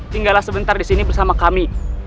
tinggallah sebentar disini bersama kami